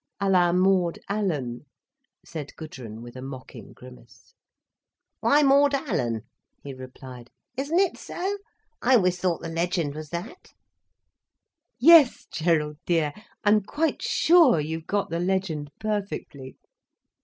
"À la Maud Allan," said Gudrun with a mocking grimace. "Why Maud Allan?" he replied. "Isn't it so? I always thought the legend was that." "Yes, Gerald dear, I'm quite sure you've got the legend perfectly."